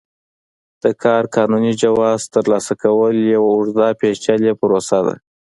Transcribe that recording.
د کار قانوني جواز ترلاسه کول یوه اوږده پېچلې پروسه ده.